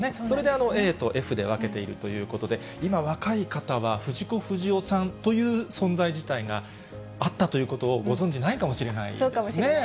それでＡとＦで分けているということで、今若い方は、藤子不二雄さんという存在自体があったということをご存じないかそうかもしれないですね。